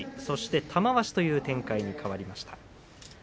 そして玉鷲という展開に変わりました。